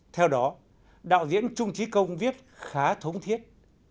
theo đó đạo diễn trung trí công viết khá thống thiết